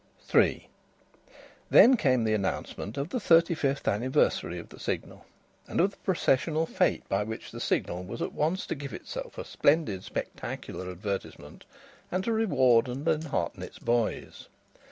III Then came the announcement of the thirty fifth anniversary of the Signal, and of the processional fête by which the Signal was at once to give itself a splendid spectacular advertisement and to reward and enhearten its boys.